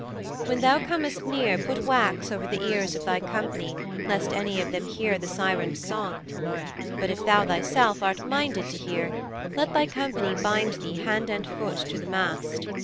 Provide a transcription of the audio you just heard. "' '"When thou comest near put wax over the ears of thy company lest any of them hear the Sirens' song. But if thou thyself art minded to hear, let thy company bind thee hand and foot to the mast.